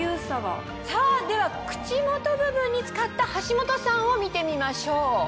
さぁでは口元部分に使った橋本さんを見てみましょう。